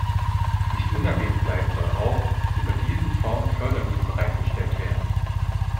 Nicht unerwähnt bleiben soll auch, dass über diesen Fonds Fördermittel bereitgestellt werden.